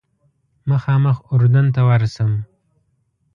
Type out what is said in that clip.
مخامخ اردن ته ورشم.